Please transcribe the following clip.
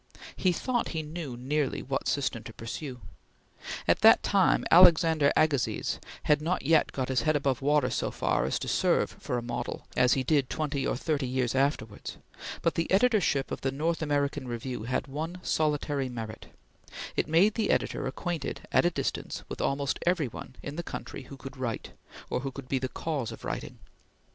He thought he knew nearly what system to pursue. At that time Alexander Agassiz had not yet got his head above water so far as to serve for a model, as he did twenty or thirty years afterwards; but the editorship of the North American Review had one solitary merit; it made the editor acquainted at a distance with almost every one in the country who could write or who could be the cause of writing.